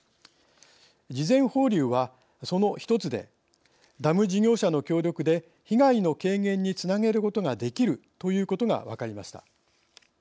事前放流はその一つでダム事業者の協力で被害の軽減につなげることができるということが分かりました。